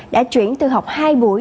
đã chuyển từ học hai buổi